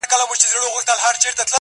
او نه ختمېدونکی اثر لري ډېر,